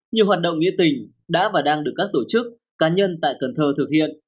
nhiều hoạt động nghĩa tình đã và đang được các tổ chức cá nhân tại cần thơ thực hiện